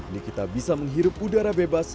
nikita bisa menghirup udara bebas